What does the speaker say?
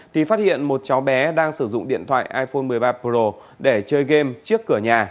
thì phát hiện một cháu bé đang sử dụng điện thoại iphone một mươi ba pro để chơi game trước cửa nhà